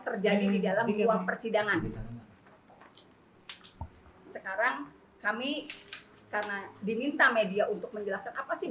terjadi di dalam ruang persidangan sekarang kami karena diminta media untuk menjelaskan apa sih